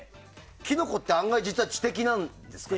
キノコって実は、案外知的なんですか？